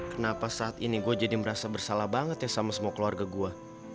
kenapa saat ini gue jadi merasa bersalah banget ya sama semua keluarga gue